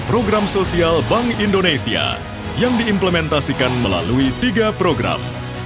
program sosial bank indonesia yang diimplementasikan melalui tiga program